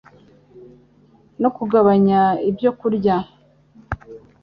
no kugabanya ibyo kurya